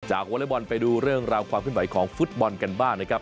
วอเล็กบอลไปดูเรื่องราวความขึ้นไหวของฟุตบอลกันบ้างนะครับ